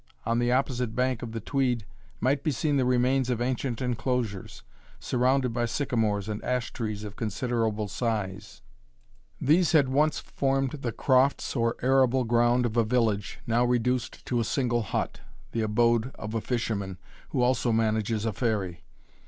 On the opposite bank of the Tweed might be seen the remains of ancient enclosures, surrounded by sycamores and ash trees of considerable size. These had once formed the crofts or arable ground of a village, now reduced to a single hut, the abode of a fisherman, who also manages a ferry.